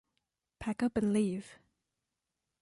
Pack up and leave.